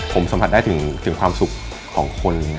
ผมสัมผัสได้ถึงความสุขของคน